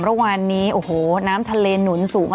ระหว่างนี้น้ำทะเลหนุนสูง